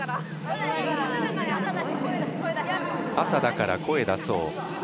朝だから、声出そう。